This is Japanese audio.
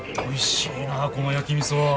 おいしいなあこの焼きみそ。